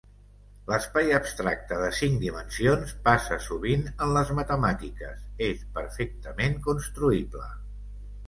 L'espai abstracte de cinc dimensions passa sovint en les matemàtiques, és perfectament construïble.